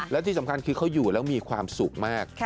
และที่สำคัญคือเขาอยู่แล้วมีความสุขมาก